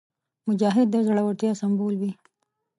مجاهد د زړورتیا سمبول وي.